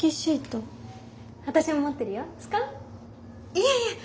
いえいえ！